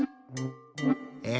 え？